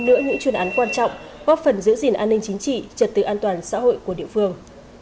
nữa những chuyên án quan trọng góp phần giữ gìn an ninh chính trị trật tự an toàn xã hội của địa phương